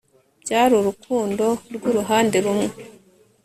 byari urukundo rwuruhande rumwe